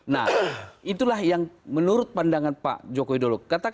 nah itulah yang menurut pandangan pak joko widodo